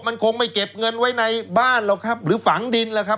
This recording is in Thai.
มันคงไม่เก็บเงินไว้ในบ้านหรอกครับหรือฝังดินล่ะครับ